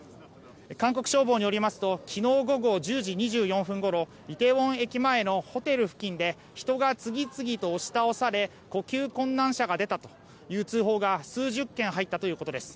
韓国消防によりますと昨日午後１０時２４分ごろイテウォン駅前のホテル付近で人が次々と押し倒され呼吸困難者が出たという通報が数十件入ったということです。